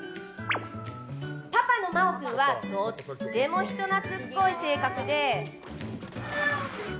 パパの眞雄君はとっても人懐っこい性格で。